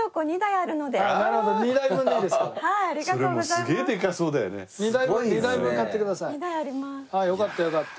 ああよかったよかった。